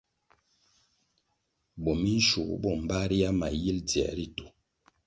Bo minshugu bo mbaria ma yil dziē ritu.